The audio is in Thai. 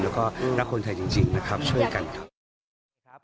แล้วก็รักคนไทยจริงนะครับช่วยกันครับ